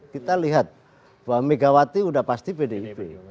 kita lihat bahwa megawati sudah pasti pdip